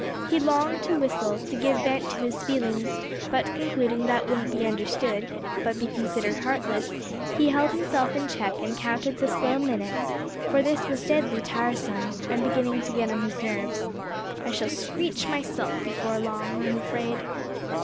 He longed to whistle, to give vent to his feelings; but concluding that wouldn't be understood, but be considered heartless, he held himself in check, and counted the slow minutes, for this was deadly tiresome, and beginning to get on his nerves. "I shall screech myself before long, I'm afraid."